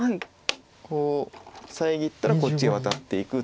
こう遮ったらこっちへワタっていく。